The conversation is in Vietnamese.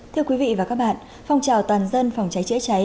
thưa quý vị và các bạn phong trào toàn dân phòng cháy chữa cháy